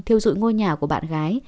thiêu dụi ngôi nhà của bạn gái